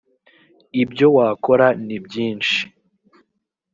ibyo wakora ni byinshi